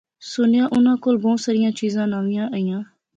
سُنیا اوناں کول بہوں ساریاں چیزاں نویاں ایاں